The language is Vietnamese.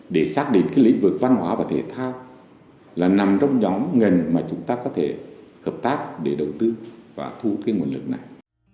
để xác định cái lĩnh vực văn hóa và thể thao là nằm trong nhóm ngành mà chúng ta có thể hợp tác để đầu tư và thu cái nguồn lực này